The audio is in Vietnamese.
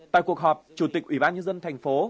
tại cuộc họp chủ tịch ủy ban nhân dân thành phố